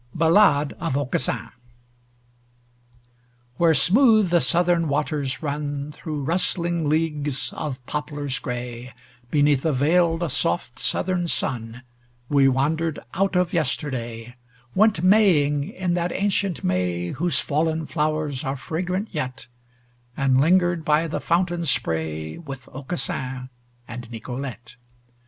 BALLADE OF AUCASSIN Where smooth the Southern waters run Through rustling leagues of poplars gray, Beneath a veiled soft Southern sun, We wandered out of Yesterday; Went Maying in that ancient May Whose fallen flowers are fragrant yet, And lingered by the fountain spray With Aucassin and Nicolete.